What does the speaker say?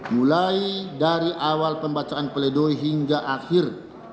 mulai dari awal pembacaan pledoi hingga akhir